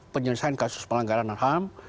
penyelesaian kasus pelanggaran ham